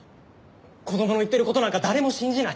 子供の言ってる事なんか誰も信じない。